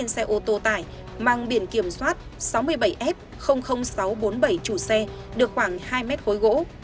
hai xe ô tô tải mang biển kiểm soát sáu mươi bảy f sáu trăm bốn mươi bảy chủ xe được khoảng hai mét khối gỗ